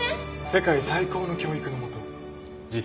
世界最高の教育の下次